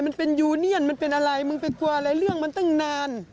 มันเป็นยูเนียนมันเป็นอะไรมึงไปกลัวอะไรเรื่องมันตั้งนาน